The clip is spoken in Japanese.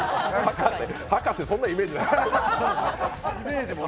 博士、そんなイメージない。